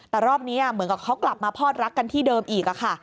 แต่รอบนี้เหมือนกับเขากลับมาพอดรักกันที่เดิมอีกค่ะ